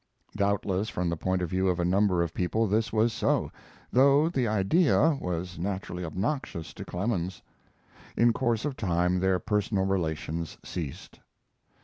Doubtless from the point of view of a number of people this was so, though the idea, was naturally obnoxious to Clemens. In course of time their personal relations ceased.